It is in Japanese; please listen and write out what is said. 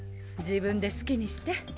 自分で好きにして。